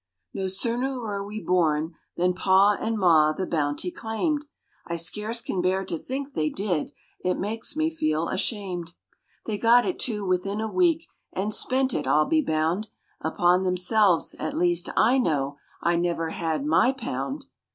No sooner were we born than Pa and Ma the bounty claimed; I scarce can bear to think they did it makes me feel ashamed, They got it, too, within a week, and spent it, I'll be bound, Upon themselves at least, I know I never had my pound.